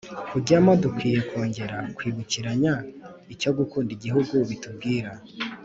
kujyamo dukwiye kongera kwibukiranya icyo gukunda Igihugu bitubwira